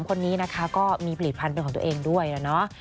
๓คนนี้นะคะก็มีผลิตภัณฑ์ของตัวเองด้วยนะ